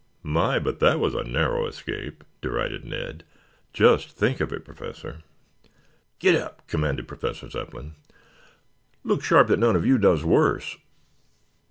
"My, but that was a narrow escape," derided Ned. "Just think of it, Professor." "Gid ap," commanded Professor Zepplin. "Look sharp that none of you does worse."